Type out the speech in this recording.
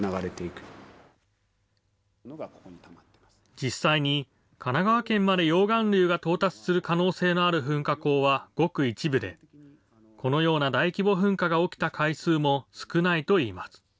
実際に神奈川県まで溶岩流が到達する可能性のある噴火口はごく一部で、このような大規模噴火が起きた回数も少ないといいます。